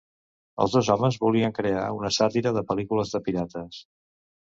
Els dos homes volien crear una sàtira de pel·lícules de pirates.